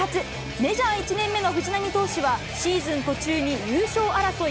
メジャー１年目の藤浪投手は、シーズン途中に優勝争い